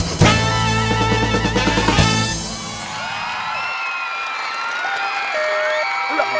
รั้งทรายงาน